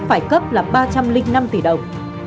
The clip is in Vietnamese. phải cấp là ba trăm linh năm tỷ đồng